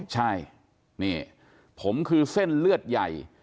ใช่นี่ผมคือเส้นเลือดใหญ่